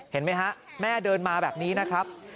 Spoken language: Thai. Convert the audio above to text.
เห็นไหมฮะแม่เดินมาแบบนี้นะครับ